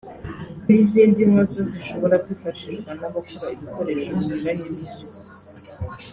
n’izindi nka zo zishobora kwifashishwa n’abakora ibikoresho binyuranye by’isuku